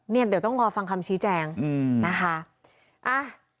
เดี๋ยวต้องรอฟังคำชี้แจงนะคะ